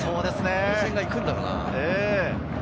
目線が行くんだろうな。